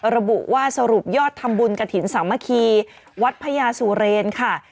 ระบุว่าสรุปยอดทำบุญกระถิ่นสามัคคีวัดพญาสุเรนค่ะ